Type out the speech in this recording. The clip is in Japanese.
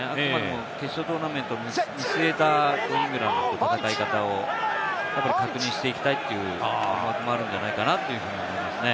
決勝トーナメントを見据えたイングランドと戦い方を確認していきたいという思惑もあるんじゃないかなと思いますね。